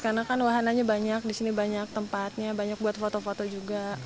karena kan wahananya banyak disini banyak tempatnya banyak buat foto foto juga